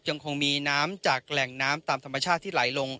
ยังคงมีน้ำจากแหล่งน้ำตามธรรมชาติที่ไหลลง